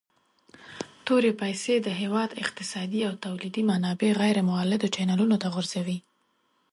تورې پیسي د هیواد اقتصادي او تولیدي منابع غیر مولدو چینلونو ته غورځوي.